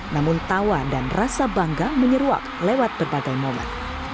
namun tawa dan rasa bangga menyeruak lewat berbagai momen